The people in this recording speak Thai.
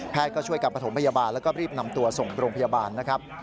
ก็ช่วยกันประถมพยาบาลแล้วก็รีบนำตัวส่งโรงพยาบาลนะครับ